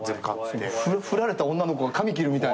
振られた女の子が髪切るみたいな？